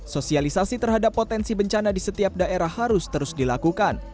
sosialisasi terhadap potensi bencana di setiap daerah harus terus dilakukan